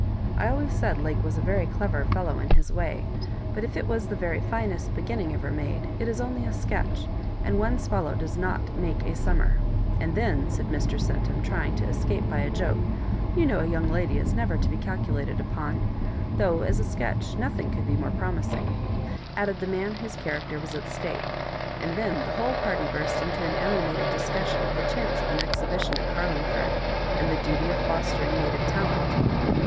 I always said Lake was a very clever fellow in his way — but if it was the very finest beginning ever made, it is only a sketch, and one swallow does not make a sum mer; and then," said Mr. Centum, trying to escape by a joke, " you know a young lady is never to be csdculated upon ; though, as a sketch, nothing could be more promising," added the man whose character was at stake; and then the whole party burst into an animated discus sion of the chance of an exhibition at Carling ford, and the duty of fostering native talent.